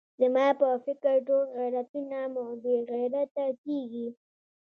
زما په فکر ټول غیرتونه مو بې غیرته کېږي.